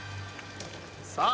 さあ！